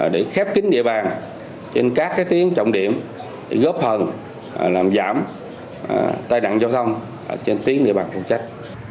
để khép kính địa bàn trên các tuyến trọng điểm góp hần làm giảm tai nạn giao thông trên tuyến địa bàn phục trách